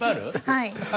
はい。